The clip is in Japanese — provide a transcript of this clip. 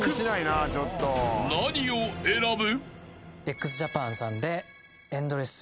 ［何を選ぶ？］